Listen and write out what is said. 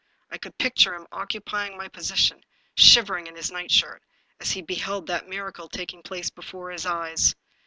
I could picture him occupying my posi tion, shivering in his nightshirt, as he beheld that miracle taking place before his eyes.